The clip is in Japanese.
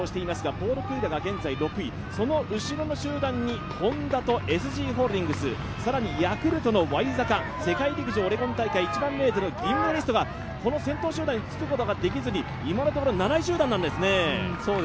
ポール・クイラが現在６位、その後ろの集団にＨｏｎｄａとＳＧホールディングス、更にヤクルトのワイザカ世界陸上オレゴン大会１００００ｍの銀メダリストがこの先頭集団につくことができずに今のところ７位集団なんですね。